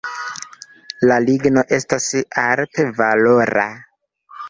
La ligno estas alt-valora.